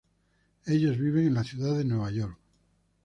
Ellos viven en la ciudad de Nueva York.